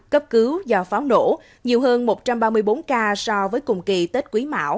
cấp cứu do pháo nổ nhiều hơn một trăm ba mươi bốn ca so với cùng kỳ tết quý mảo hai nghìn hai mươi ba